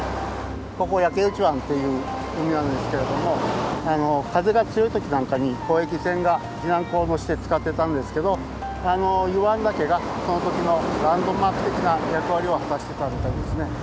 ここ焼内湾っていう海なんですけれども風が強い時なんかに交易船が避難港として使ってたんですけど湯湾岳がその時のランドマーク的な役割を果たしてたみたいですね。